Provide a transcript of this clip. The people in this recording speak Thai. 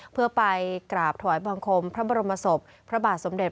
เพื่อไปกราบถวายบังคมพระบรมศพพระบาทสมเด็จ